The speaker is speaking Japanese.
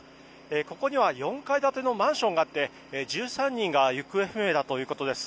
ここには４階建てのマンションがあって１３人が行方不明だということです。